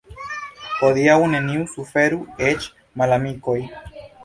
Hodiaŭ neniu suferu, eĉ malamikoj.